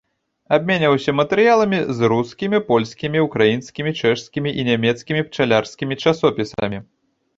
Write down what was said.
Абменьваўся матэрыяламі з рускімі, польскімі, украінскімі, чэшскімі і нямецкімі пчалярскімі часопісамі.